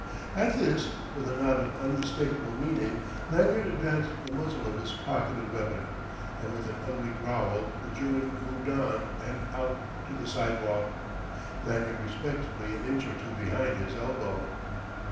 At this, with a nod of unmistakable meaning, Lanyard advanced the muzzle of his pocketed weapon; and with an ugly growl the German moved on and out to the sidewalk, Lanyard respectfully an inch or two behind his elbow.